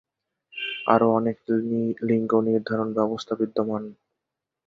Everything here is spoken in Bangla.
আরও অনেক লিঙ্গ-নির্ধারণ ব্যবস্থা বিদ্যমান।